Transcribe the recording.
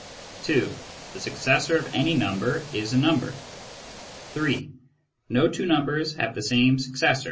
(2) The successor of any number is a number. (3) No two numbers have the same successor.